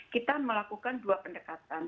kita melakukan dua pendekatan